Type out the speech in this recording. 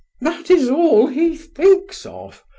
"That is all he thinks of!"